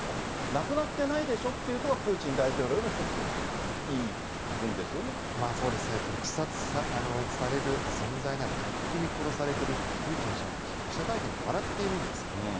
亡くなってないでしょって言うところがプーチン大統領の一つ、言そうですね、毒殺される存在なら、とっくに殺されてるって、プーチン氏は記者会見で笑っているんですよね。